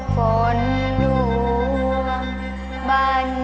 คนล่วงบรรคาแรง